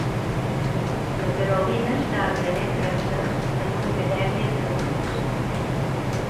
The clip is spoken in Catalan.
La Caroline està aprenent francès en una acadèmia per a adults